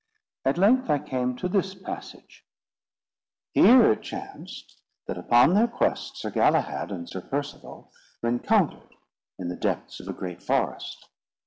At length I came to this passage— "Here it chanced, that upon their quest, Sir Galahad and Sir Percivale rencountered in the depths of a great forest.